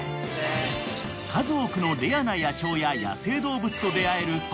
［数多くのレアな野鳥や野生動物と出合える